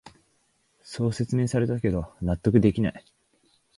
そう説明されたけど納得できない